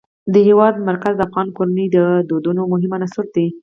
د هېواد مرکز د افغان کورنیو د دودونو مهم عنصر دی.